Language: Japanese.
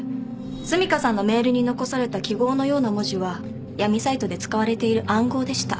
澄香さんのメールに残された記号のような文字は闇サイトで使われている暗号でした。